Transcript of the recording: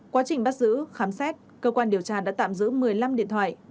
quá trình bắt giữ khám xét cơ quan điều tra đã tạm giữ một mươi năm điện thoại